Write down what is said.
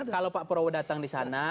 kalau pak prabowo datang di sana